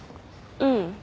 うん。